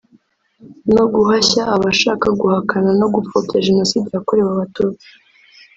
no guhashya abashaka guhakana no gupfobya Jenoside yakorewe Abatutsi